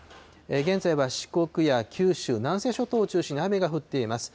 現在は四国や九州、南西諸島を中心に雨が降っています。